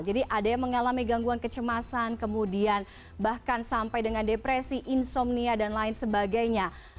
jadi ada yang mengalami gangguan kecemasan kemudian bahkan sampai dengan depresi insomnia dan lain sebagainya